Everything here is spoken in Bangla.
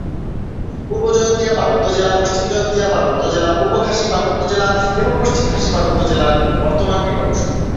পূর্ব জয়ন্তীয়া পার্বত্য জেলা, পশ্চিম জয়ন্তীয়া পার্বত্য জেলা, পূর্ব খাসি পার্বত্য জেলা এবং পশ্চিম খাসি পার্বত্য জেলার বর্তমান এর অংশ।